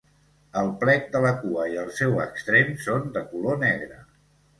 El plec de la cua i el seu extrem són de color negre.